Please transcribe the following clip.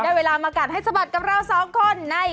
เวลามากัดให้สะบัดกับเราสองคนใน